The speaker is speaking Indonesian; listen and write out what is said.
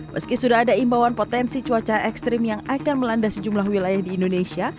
meski sudah ada imbauan potensi cuaca ekstrim yang akan melanda sejumlah wilayah di indonesia